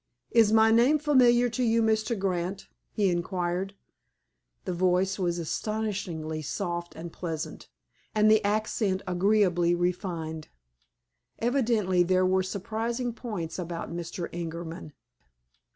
"Is my name familiar to you, Mr. Grant?" he inquired. The voice was astonishingly soft and pleasant, and the accent agreeably refined. Evidently, there were surprising points about Mr. Ingerman.